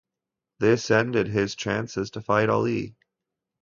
This ended his chances to fight Ali.